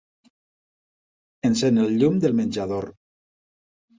Encén el llum del menjador.